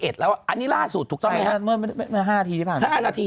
ครั้งนี้ล่าสุดถูก๕๕๕นาทีผ่านมา